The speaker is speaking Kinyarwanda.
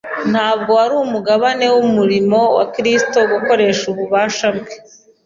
Ntabwo wari umugabane w’umurimo wa Kristo gukoresha ububasha bwe